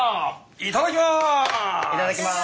いただきます！